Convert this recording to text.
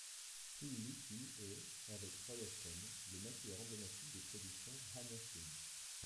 Phil Leakey est, avec Roy Ashton, le maquilleur emblématique des productions Hammer Films.